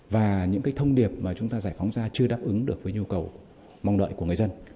và những cái thông điệp mà chúng ta giải phóng ra chưa đáp ứng được với nhu cầu mong đợi của người dân